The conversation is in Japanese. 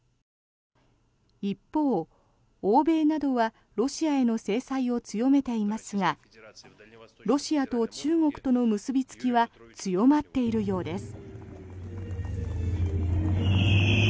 一方、欧米などはロシアへの制裁を強めていますがロシアと中国との結びつきは強まっているようです。